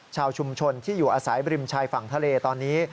ชาวชุมชนที่อยู่อาศัยบริมชายฝั่งทะเลตอนนี้